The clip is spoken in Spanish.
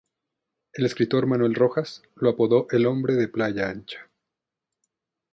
El escritor Manuel Rojas, lo apodó el hombre de Playa Ancha.